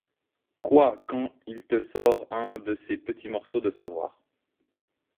quoi Quand il te sort un de ses petits morceaux de savoir.